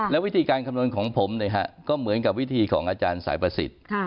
แล้ววิธีการคำนวณของผมก็เหมือนกับวิธีของอาจารย์สายประสิทธิ์